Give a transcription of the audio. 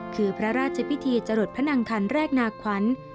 คือพระราชพิธีจรดพระนังคันแรกนาขวัญ